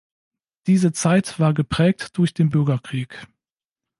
Diese Zeit war geprägt durch den Bürgerkrieg.